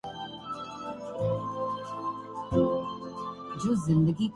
Mumbai December agency Bollywood کی دھک دھک گرل مادھوری نے انڈین نیشنل کانگرس کو جائن کرنے کا فیصلہ کیا ہے